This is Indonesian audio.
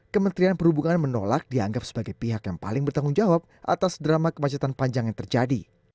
kementerian perhubungan menolak dianggap sebagai pihak yang paling bertanggung jawab atas drama kemacetan panjang yang terjadi